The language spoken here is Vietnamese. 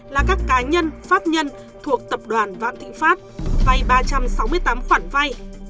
là các cá nhân pháp nhân thuộc tập đoàn vạn thịnh pháp vay ba trăm sáu mươi tám khoản vay